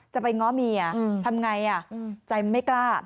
จะไปง้อเมียทำไงใจไม่กล้า